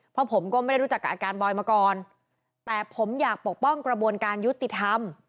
เพราะผมก็ไม่ได้รู้จักกับอาจารย์บอยมาก่อนแต่ผมอยากปกป้องกระบวนการยุติธรรม